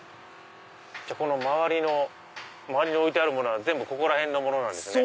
じゃあこの周りに置いてるものは全部ここら辺のものなんですね。